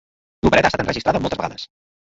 L'opereta ha estat enregistrada moltes vegades.